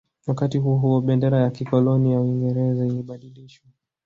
Wakati huo huo bendera ya kikoloni ya Uingereza ilibadilishwa